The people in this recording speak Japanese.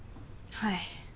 はい。